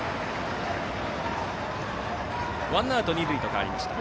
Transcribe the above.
ワンアウト、二塁に変わりました。